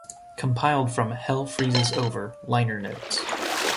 Compiled from "Hell Freezes Over" liner notes.